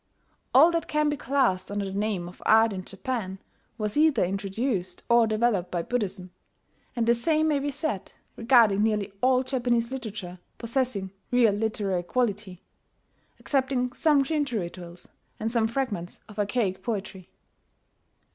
All that can be classed under the name of art in Japan was either introduced or developed by Buddhism; and the same may be said regarding nearly all Japanese literature possessing real literary quality, excepting some Shinto rituals, and some fragments of archaic poetry.